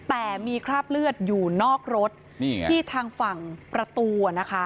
แต่มีคราบเลือดอยู่นอกรถที่ทางฝั่งประตูนะคะ